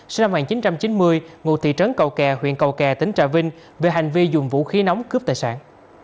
sinh năm một nghìn chín trăm chín mươi ngụ thị trấn cầu kè huyện cầu kè tỉnh trà vinh về hành vi dùng vũ khí nóng cướp tài sản